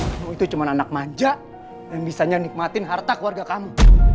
kamu itu cuma anak maja yang bisanya nikmatin harta keluarga kamu